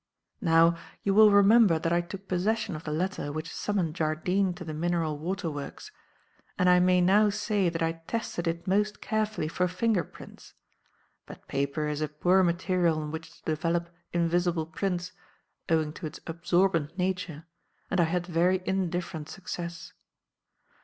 "Now, you will remember that I took possession of the letter which summoned Jardine to the mineral water works and I may now say that I tested it most carefully for finger prints. But paper is a poor material on which to develop invisible prints owing to its absorbent nature and I had very indifferent success.